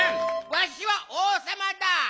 わしはおうさまだ。